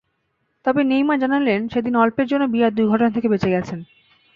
তবে নেইমার জানালেন, সেদিন অল্পের জন্য বিরাট দুর্ঘটনা থেকে বেঁচে গেছেন।